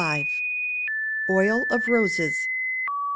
Oil of Roses.